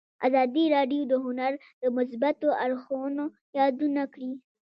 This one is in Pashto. ازادي راډیو د هنر د مثبتو اړخونو یادونه کړې.